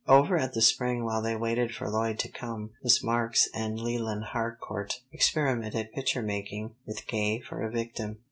Over at the spring while they waited for Lloyd to come, Miss Marks and Leland Harcourt experimented at picture making with Gay for a victim.